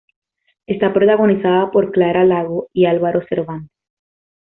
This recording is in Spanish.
Está protagonizada por Clara Lago y Álvaro Cervantes.